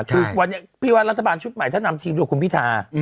คือวันนี้พี่วันรัฐบาลชุดใหม่ท่านำทีมดูของคุณพิทา